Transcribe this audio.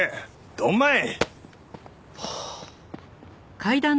ドンマイ！